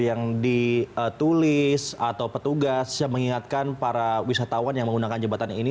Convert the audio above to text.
yang ditulis atau petugas yang mengingatkan para wisatawan yang menggunakan jembatan ini